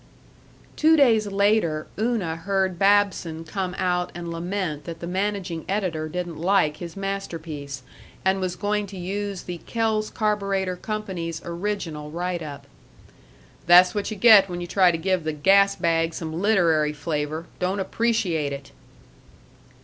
Two days later Una heard Babson come out and lament that the managing editor didn't like his masterpiece and was going to use the Kells Karburetor Kompany's original write up. "That's what you get when you try to give the Gas bag some literary flavor don't appreciate it!"